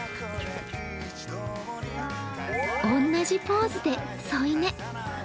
おんなじポーズで添い寝。